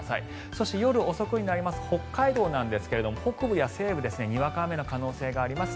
そして夜遅くになると北海道なんですが北部や西部にわか雨の可能性があります。